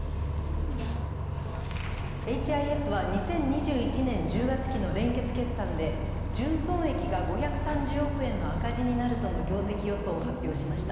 エイチ・アイ・エスは２０２１年１０月期の連結決算で純損益が５３０億円の赤字に鳴門の業績予想を発表しました。